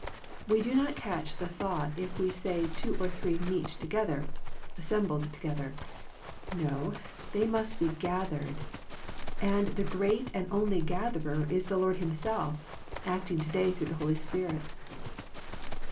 "We do not catch the thought if we say " two or three met together," " assembled together," no, they must be " gath ered," and the great and only " Gatherer " is the Lord Himself, acting to day through the Holy Spirit.